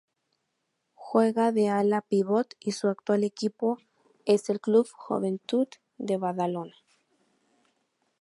Juega de ala-pívot y su actual equipo es el Club Joventut de Badalona.